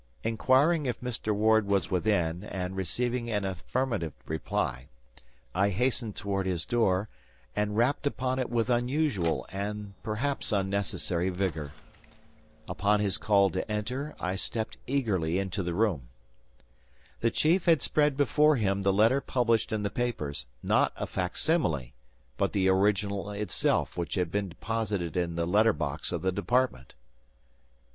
Inquiring if Mr. Ward was within and receiving an affirmative reply, I hastened toward his door, and rapped upon it with unusual and perhaps unnecessary vigor. Upon his call to enter, I stepped eagerly into the room. The chief had spread before him the letter published in the papers, not a facsimile, but the original itself which had been deposited in the letter box of the department.